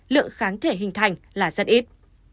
lượng kháng thể hình thành là rất ít